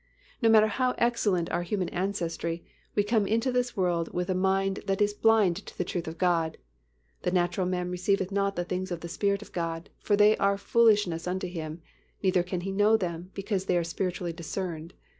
No matter how excellent our human ancestry, we come into this world with a mind that is blind to the truth of God. ("The natural man receiveth not the things of the Spirit of God: for they are foolishness unto him: neither can he know them, because they are spiritually discerned."